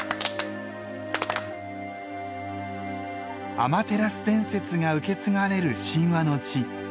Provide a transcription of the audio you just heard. アマテラス伝説が受け継がれる神話の地。